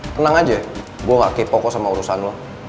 tenang aja gue gak kepoko sama urusan lo